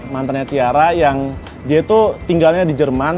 mantannya tiara yang dia tuh tinggalnya di jerman